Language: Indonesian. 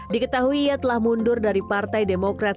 diketahui ia telah mundur dari partai demokrat